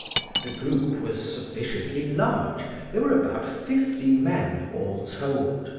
The group was sufficiently large; there were about fifty men all told.